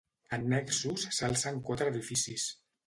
Annexos s'alcen quatre edificis.